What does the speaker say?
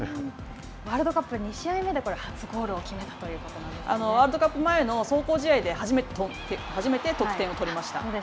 ワールドカップ２試合目で初ゴールを決めたということなんワールドカップ前の壮行試合で初めて得点を取りました。